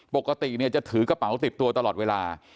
ปกติจะถือกระเป๋าติดตัวตลอดเวลา